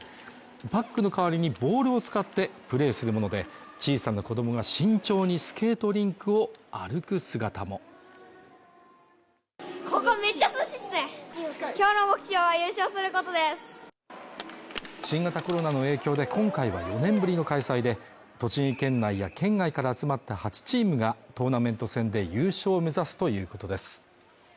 パックの代わりにボールを使ってプレイするもので、小さな子供が慎重にスケートリンクを歩く姿も新型コロナの影響で今回は４年ぶりの開催で、栃木県内や県外から集まった８チームがトーナメント戦で優勝を目指すということです